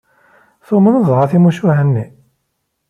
Tumneḍ dɣa timucuha-nni?